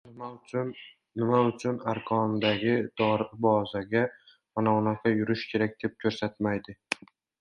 nima uchun arqondagi dorbozga manavunaqa yurish kerak, deb ko‘rsatmaydi.